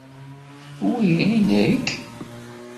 Wi i nekk?